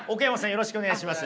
よろしくお願いします。